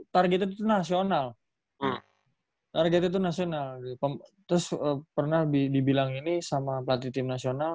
target itu nasional target itu nasional terus pernah dibilang ini sama pelatih tim nasional